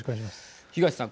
東さん。